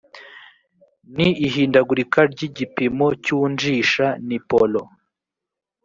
n ihindagurika ry igipimo cy unjisha ni polo